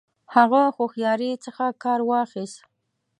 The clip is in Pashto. هغه هوښیاري څخه کار واخیست.